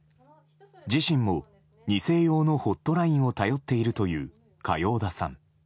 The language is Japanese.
自身も二世用のホットラインを頼っているという嘉陽田さん。